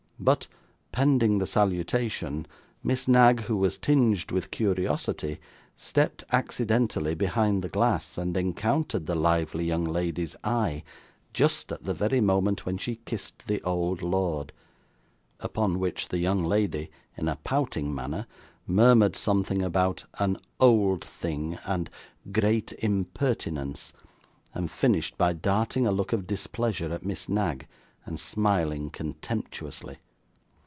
But, pending the salutation, Miss Knag, who was tinged with curiosity, stepped accidentally behind the glass, and encountered the lively young lady's eye just at the very moment when she kissed the old lord; upon which the young lady, in a pouting manner, murmured something about 'an old thing,' and 'great impertinence,' and finished by darting a look of displeasure at Miss Knag, and smiling contemptuously.